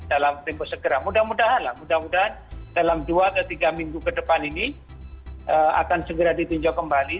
dalam tempo segera mudah mudahan lah mudah mudahan dalam dua ke tiga minggu ke depan ini akan segera ditinjau kembali